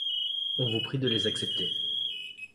On vous prie de les accepter.